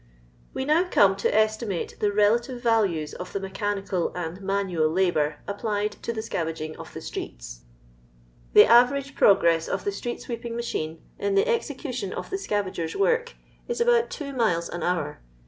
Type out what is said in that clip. We now come to estimate the reUUtve values of Ike meekanieal and manual labour applied to the teaPOffing of the sltreeU, The aversge progress of the street sweeping machine, in the execution of the scavaffers' work, is about two miles an hour.